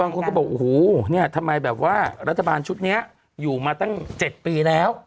คนก็บอกโอ้โหเนี่ยทำไมแบบว่ารัฐบาลชุดนี้อยู่มาตั้ง๗ปีแล้ว